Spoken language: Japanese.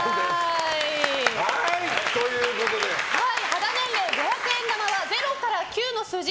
肌年齢、五百円玉は０から９の数字。